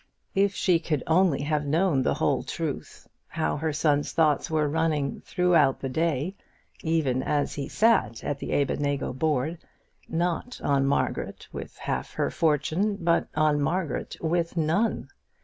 If she could only have known the whole truth; how her son's thoughts were running throughout the day, even as he sat at the Abednego board, not on Margaret with half her fortune, but on Margaret with none!